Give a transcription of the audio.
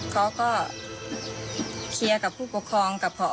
เขาก็เคลียร์กับผู้ปกครองกับผอกันแค่นั้น